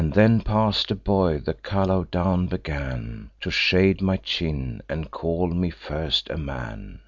Then, past a boy, the callow down began To shade my chin, and call me first a man.